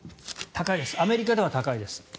アメリカでは高いです。